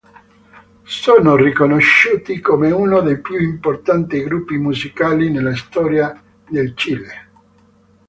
Sono riconosciuti come uno dei più importanti gruppi musicali nella storia del Cile.